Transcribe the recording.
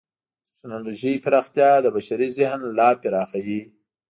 د ټکنالوجۍ پراختیا د بشري ذهن لا پراخوي.